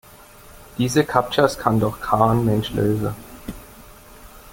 Diese Captchas kann doch kein Mensch lösen!